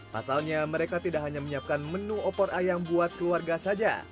pasalnya mereka tidak hanya menyiapkan menu opor ayam buat keluarga saja